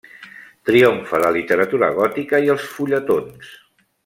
Triomfa la literatura gòtica i els fulletons.